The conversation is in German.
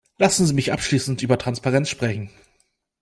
Lassen Sie mich abschließend über Transparenz sprechen.